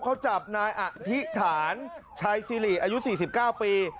เขาจับนายอธิษฐานชัยสิริอายุ๔๙ปี